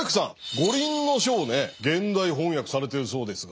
「五輪書」をね現代翻訳されてるそうですが。